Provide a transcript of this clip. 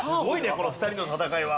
この２人の戦いは。